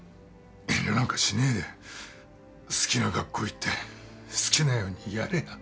遠慮なんかしねえで好きな学校行って好きなようにやれや。